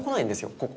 ここ。